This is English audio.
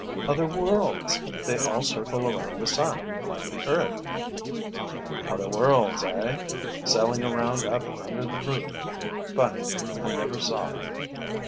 "Other worlds. They all circle around the sun, like the Earth." "Other worlds, eh? Sailing around up under the roof? Funny; I never saw them."